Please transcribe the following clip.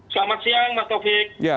selamat siang mas taufik